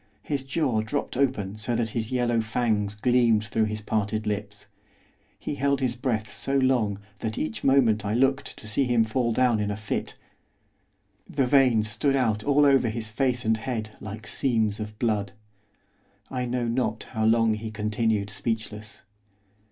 His jaw dropped open so that his yellow fangs gleamed through his parted lips, he held his breath so long that each moment I looked to see him fall down in a fit; the veins stood out all over his face and head like seams of blood. I know not how long he continued speechless.